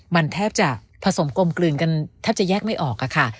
มันแทบจะผสมกลมกลืนกันแทบจะแยกไม่ออกอะค่ะ